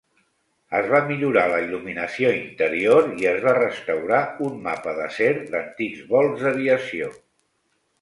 Es va millorar la il·luminació interior i es va restaurar un mapa d'acer d'antics vols d'aviació.